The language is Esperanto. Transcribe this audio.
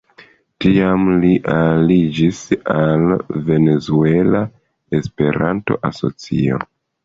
Tiam li aliĝis al Venezuela Esperanto-Asocio.